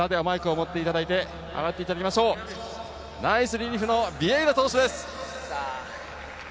ナイスリリーフのビエイラ投手です。